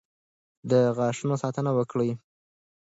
د غاښونو ساتنه وکړئ.